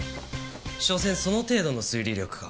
しょせんその程度の推理力か。